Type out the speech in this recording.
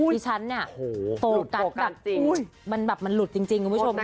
ที่ฉันเนี่ยโฟกัสแบบมันหลุดจริงคุณผู้ชมค่ะ